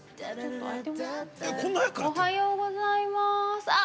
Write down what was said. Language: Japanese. おはようございます。